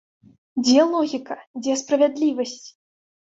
Дзе логіка, дзе справядлівасць?